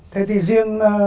thế thì riêng